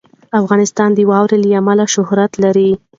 افغانستان د واوره له امله شهرت لري.